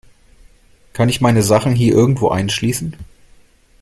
Kann ich meine Sachen hier irgendwo einschließen?